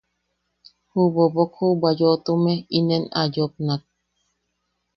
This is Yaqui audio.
Ju bobok juʼubwa yoʼotume inen a yopnak: